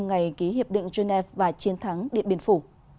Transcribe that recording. ngày ký hiệp định genève và chiến thắng điện biên phủ